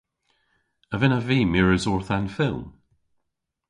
A vynnav vy mires orth an fylm?